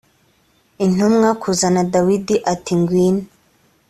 intumwa kuzana dawidi ati ngwino